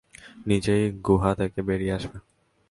নিজেই গুহা থেকে বেরিয়ে আসবে।